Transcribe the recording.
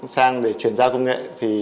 sang để chuyển giao công nghệ